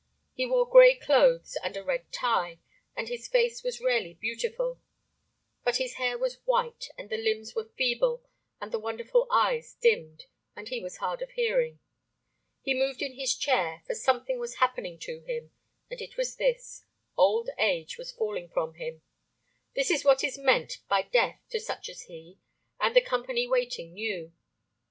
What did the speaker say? He wore grey clothes and a red tie, and his face was rarely beautiful, but the hair was white and the limbs were feeble, and the wonderful eyes dimmed, and he was hard of hearing. He moved in his chair, for something was happening to him, and it was this, old age was falling from him. This is what is meant by death to such as he, and the company waiting knew.